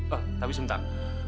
oh tapi sebentar